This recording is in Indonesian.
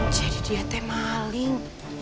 jadi dia teh maling